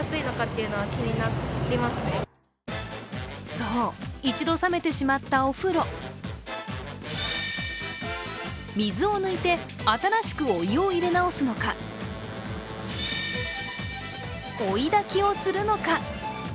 そう、一度冷めてしまったお風呂水を抜いて、新しくお湯を入れ直すのか、追いだきをするのか。